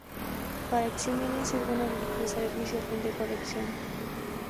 Para Eiximenis, es bueno ridiculizar el vicio a fin de corrección.